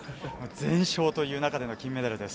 全勝という中での金メダルです。